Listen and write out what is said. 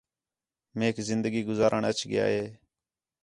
میک زندگی گُزارݨ اَچ ڳِیا ہے